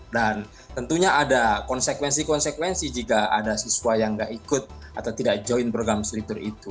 dan tentunya ada konsekuensi konsekuensi jika ada siswa yang tidak ikut atau tidak join program study tour itu